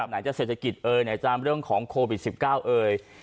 ไหนจะเศรษฐกิจเอ่ยไหนจะเรื่องของโควิด๑๙เอ่ย